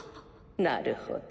なるほど。